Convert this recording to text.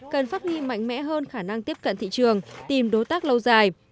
cần phát nghi mạnh mẽ hơn khả năng tiếp cận thị trường tìm đối tác lâu dài